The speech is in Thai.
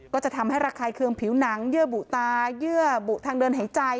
ก็จะทำให้ระคายเคืองผิวหนังเยื่อบุตาเยื่อบุทางเดินหายใจ